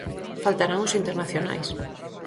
Faltarán os internacionais.